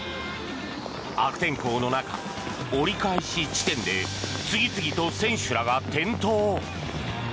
悪天候の中、折り返し地点で次々と選手らが転倒。